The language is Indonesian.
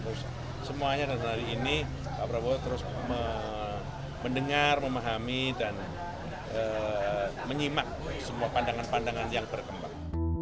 bahwa semuanya dan hari ini pak prabowo terus mendengar memahami dan menyimak semua pandangan pandangan yang berkembang